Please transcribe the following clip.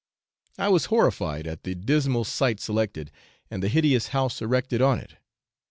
I was horrified at the dismal site selected, and the hideous house erected on it.